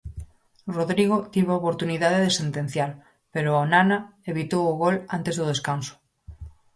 Rodrigo tivo a oportunidade de sentenciar, pero Onana evitou o gol antes do descanso.